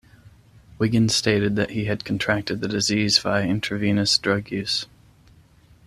Wiggins stated that he had contracted the disease via intravenous drug use.